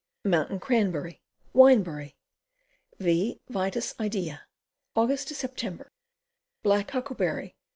Mountain Cranberry. Windberry. V. Vitis Idaea. Aug. Sep. Black Huckleberry.